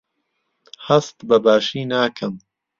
هەست بەباشی ناکەم.